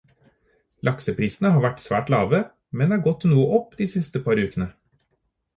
Lakseprisene har vært svært lave, men er gått noe opp de siste par ukene.